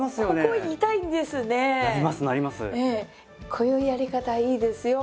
こういうやり方いいですよ。